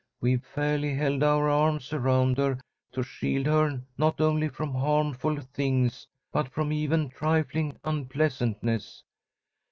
We've fairly held our arms around her to shield her not only from harmful things, but from even trifling unpleasantness.